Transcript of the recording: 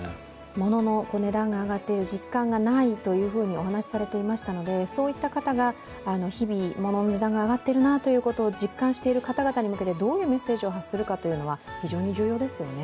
モノの値段が上がっている実感がりないとお話しされていたのでそういった方が、日々、モノの値段が上がってるなと実感している方々に向けてどういうメッセージを発信するか非常に重要ですよね。